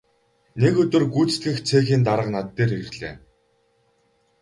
Нэг өдөр гүйцэтгэх цехийн дарга над дээр ирлээ.